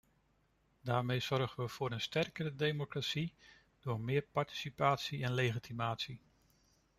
Daarmee zorgen we voor een sterkere democratie door meer participatie en legitimatie.